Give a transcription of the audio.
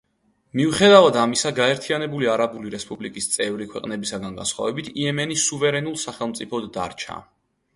მიუხედავად ამისა, გაერთიანებული არაბული რესპუბლიკის წევრი ქვეყნებისაგან განსხვავებით, იემენი სუვერენულ სახელმწიფოდ დარჩა.